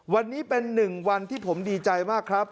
วันนี้เป็นหนึ่งวันที่ผมดีใจมากครับ